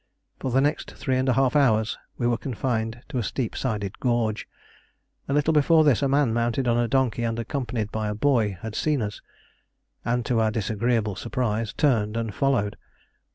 For the next three and a half hours we were confined to a steep sided gorge. A little before this a man mounted on a donkey, and accompanied by a boy, had seen us, and to our disagreeable surprise turned and followed.